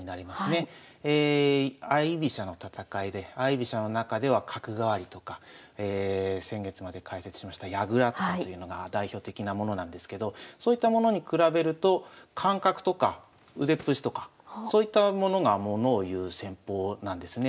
相居飛車の戦いで相居飛車の中では角換わりとか先月まで解説しました矢倉とかというのが代表的なものなんですけどそういったものに比べると感覚とか腕っぷしとかそういったものがものをいう戦法なんですね。